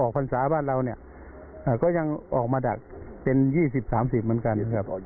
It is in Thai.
ออกพรรษาบ้านเราก็ยังออกมาดักเป็น๒๐๓๐บาทเหมือนกัน